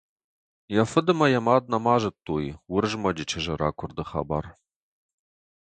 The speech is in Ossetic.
Йӕ фыд ӕмӕ йӕ мад нӕма зыдтой Уырызмӕджы чызджы ракуырды хабар.